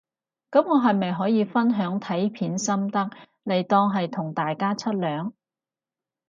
噉我係咪可以分享睇片心得嚟當係同大家出糧